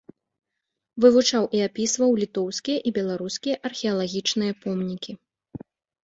Вывучаў і апісваў літоўскія і беларускія археалагічныя помнікі.